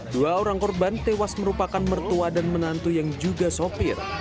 dua orang korban tewas merupakan mertua dan menantu yang juga sopir